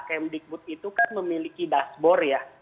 kemdikbud itu kan memiliki dashboard ya